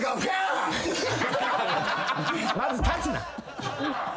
まず立つな。